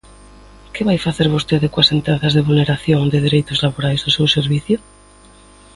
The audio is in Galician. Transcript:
¿Que vai facer vostede coas sentenzas de vulneración de dereitos laborais do seu servizo?